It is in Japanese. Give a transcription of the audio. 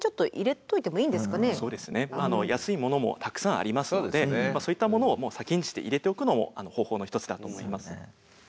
安いものもたくさんありますのでそういったものをもう先んじて入れておくのも方法の一つだと思います。